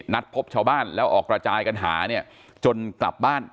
นัดพบชาวบ้านแล้วออกกระจายกันหาเนี่ยจนกลับบ้าน